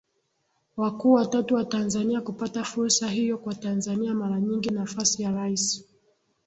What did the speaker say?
wakuu watatu wa Tanzania kupata fursa hiyoKwa Tanzania mara nyingi nafasi ya Rais